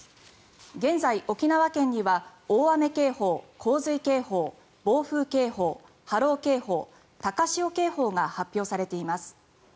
現在、沖縄県には大雨警報、洪水警報暴風警報、波浪警報、高潮警報が発表されています。